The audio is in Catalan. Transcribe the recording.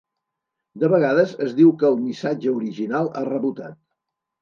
De vegades es diu que el missatge original ha rebotat.